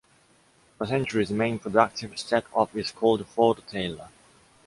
The century’s main productive setup is called Ford-Taylor.